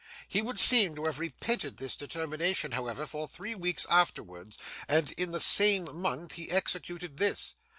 He would seem to have repented this determination, however, for three weeks afterwards, and in the same month, he executed this.